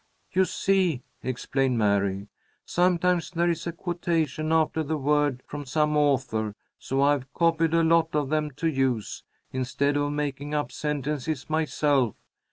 "You see," explained Mary, "sometimes there is a quotation after the word from some author, so I've copied a lot of them to use, instead of making up sentences myself.